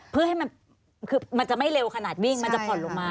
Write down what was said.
เพื่อให้มันคือมันจะไม่เร็วขนาดวิ่งมันจะผ่อนลงมา